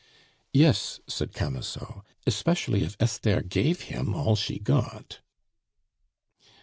"Yes," said Camusot, "especially if Esther gave him all she got."